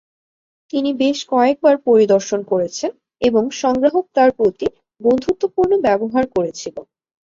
তিনি বেশ কয়েকবার পরিদর্শন করেছেন এবং সংগ্রাহক তার প্রতি বন্ধুত্বপূর্ণ ব্যবহার করেছিলো।